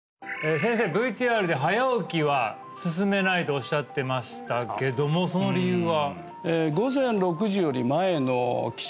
先生ＶＴＲで早起きは勧めないとおっしゃってましたけどもその理由は？